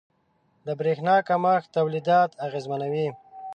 • د برېښنا کمښت تولیدات اغېزمنوي.